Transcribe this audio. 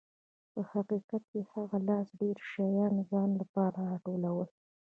په حقیقت کې هغه لاس ډېر شیان د ځان لپاره راټولوي.